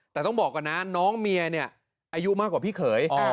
แต่ต้องบอกก่อนนะน้องเมียเนี่ยอายุมากกว่าพี่เขย